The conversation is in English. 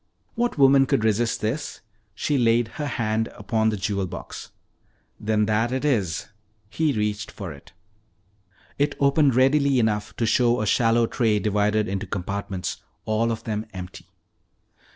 "What woman could resist this?" She laid her hand upon the jewel box. "Then that it is." He reached for it. It opened readily enough to show a shallow tray divided into compartments, all of them empty.